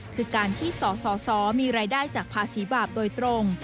คือการที่สสมีรายได้จากภาษีบาปโดยตรง